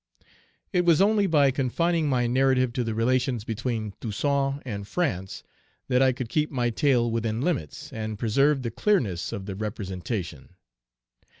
It was only by confining my narrative to the relations between Toussaint and France that I could keep my tale within limits, and preserve the clearness of the representation.